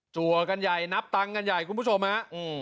ัวกันใหญ่นับตังค์กันใหญ่คุณผู้ชมฮะ